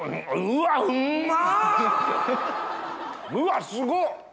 うわすごっ！